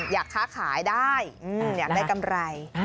อยากค้าขายได้อยากได้กำไร